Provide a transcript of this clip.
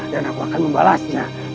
dan aku akan membalasnya